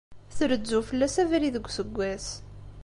Trezzu fell-as abrid deg useggas.